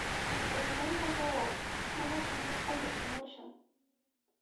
Sinqaymanta yawar mana thanispa lluqsimushan.